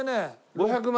６００万。